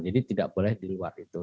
jadi tidak boleh di luar itu